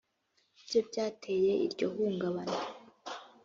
byo byateye iryo hungabana